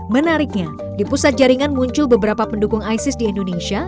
menariknya di pusat jaringan muncul beberapa pendukung isis di indonesia